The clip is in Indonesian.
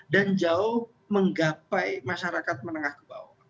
dan jauh menggapai masyarakat menengah ke bawah